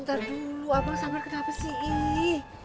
abang sabar kenapa sih ih